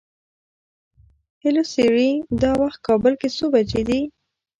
هلو سیري! دا وخت کابل کې څو بجې دي؟